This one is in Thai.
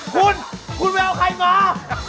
คุณคุณไปเอาใครมา